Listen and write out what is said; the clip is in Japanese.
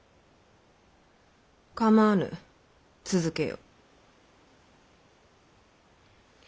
構わぬ続けよ。